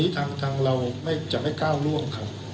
ทางเราไม่จะไม่ก้าวร่วง